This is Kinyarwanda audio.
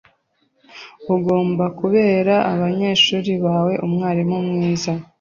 ugomba kubera abanyeshuri bawe umwarimu mwiza